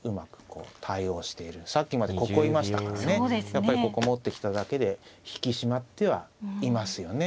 やっぱりここ持ってきただけで引き締まってはいますよね。